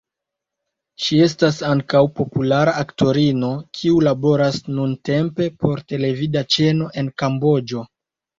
Ŝi estas ankaŭ populara aktorino, kiu laboras nuntempe por televida ĉeno en Kamboĝo.